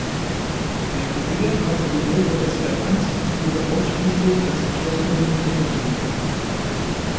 Der Kurier hatte den Motor des Garant und wurde ausschließlich als geschlossene Limousine geliefert.